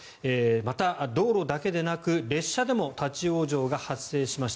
また、道路だけでなく列車でも立ち往生が発生しました。